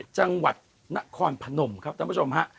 จังหวัดนครพนมครับท่านผู้ชมฮะ